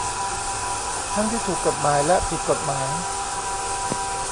ทั้งที่ถูกกฎหมายและผิดกฎหมาย